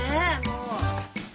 もう。